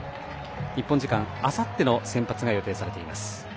日本時間、あさっての先発が予定されています。